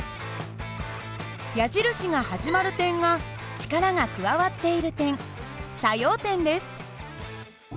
矢印が始まる点が力が加わっている点作用点です。